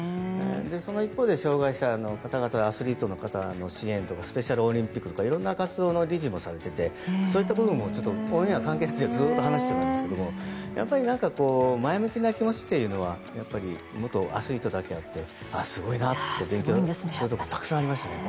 その一方で障害者の方々やアスリートの方の支援とかスペシャルオリンピックの理事とかそういった活動もされていてそういったこともオンエア関係なくずっと話していたんですが前向きな気持ちというのは元アスリートだけあってすごいなと勉強しようと思うところがたくさんありました。